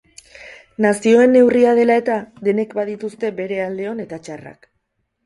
Nazioen neurria dela eta, denek badituzte bere alde on eta txarrak.